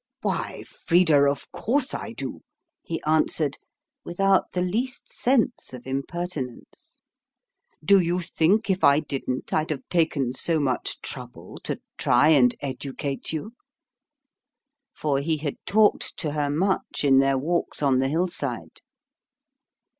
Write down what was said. "Why, Frida, of course I do," he answered, without the least sense of impertinence. "Do you think if I didn't I'd have taken so much trouble to try and educate you?" For he had talked to her much in their walks on the hillside.